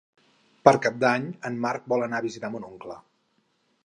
Per Cap d'Any en Marc vol anar a visitar mon oncle.